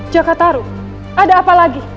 jakataru ada apa lagi